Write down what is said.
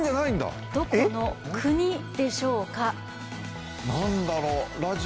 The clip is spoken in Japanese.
どこの国でしょうか。